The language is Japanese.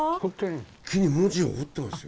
木に文字を彫ってますよ。